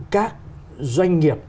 các doanh nghiệp